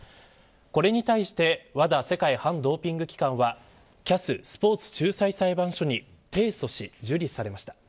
これに対してＷＡＤＡ世界反ドーピング機関はＣＡＳスポーツ仲裁裁判所に提訴し受理されました。